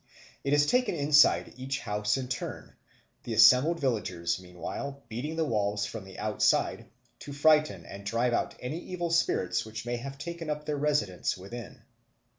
It is taken inside each house in turn, the assembled villagers, meanwhile, beating the walls from the outside, to frighten and drive out any evil spirits which may have taken up their residence within.